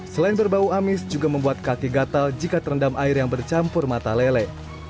selain berbau amis juga membuat kaki gatal jika terendam air yang bercampur mata lele